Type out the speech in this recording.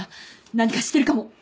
何か知ってるかも。